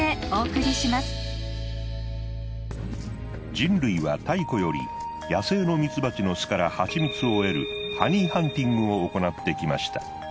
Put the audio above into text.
人類は太古より野生のミツバチの巣から蜂蜜を得るハニーハンティングを行ってきました。